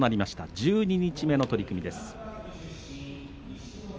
十二日目の取組です。